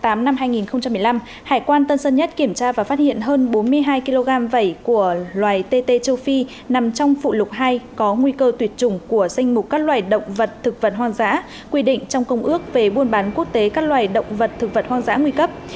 năm hai nghìn một mươi năm hải quan tân sơn nhất kiểm tra và phát hiện hơn bốn mươi hai kg vẩy của loài tê châu phi nằm trong phụ lục hai có nguy cơ tuyệt chủng của danh mục các loài động vật thực vật hoang dã quy định trong công ước về buôn bán quốc tế các loài động vật thực vật hoang dã nguy cấp